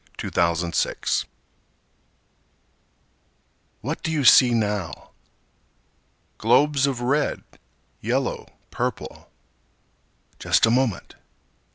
Dippold the Optician What do you see now? Globes of red, yellow, purple. Just a moment!